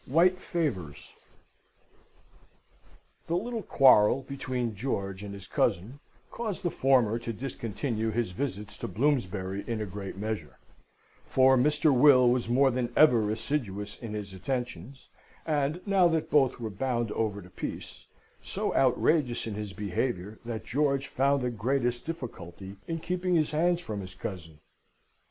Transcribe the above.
White Favours The little quarrel between George and his cousin caused the former to discontinue his visits to Bloomsbury in a great measure; for Mr. Will was more than ever assiduous in his attentions; and, now that both were bound over to peace, so outrageous in his behaviour, that George found the greatest difficulty in keeping his hands from his cousin.